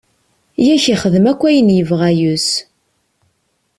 Yak ixdem akk ayen yebɣa yes-s.